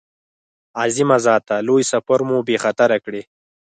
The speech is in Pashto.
عظیمه ذاته لوی سفر مو بې خطره کړې.